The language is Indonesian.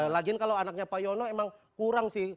lagian kalau anaknya pak yono emang kurang sih